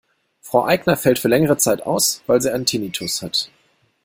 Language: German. Frau Aigner fällt für längere Zeit aus, weil sie einen Tinnitus hat.